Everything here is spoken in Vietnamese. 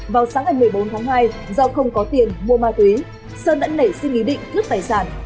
vào sáng ngày một mươi bốn tháng hai do không có tiền mua ma túy sơn đã nảy sinh ý định cướp tài sản